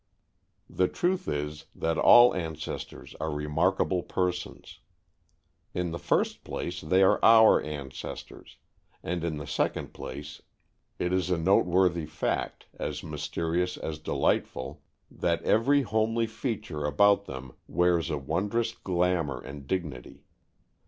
The truth is that all ancestors are remarkable persons. In the first place they are our ancestors, and in the second place it is a noteworthy fact, as mysterious as delightful, that every homely feature about them wears a wondrous glamour and dignity.